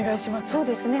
そうですね。